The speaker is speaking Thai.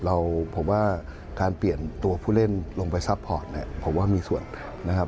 เราผมว่าการเปลี่ยนตัวผู้เล่นลงไปซัพพอร์ตเนี่ยผมว่ามีส่วนนะครับ